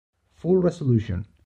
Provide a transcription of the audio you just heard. Full resolution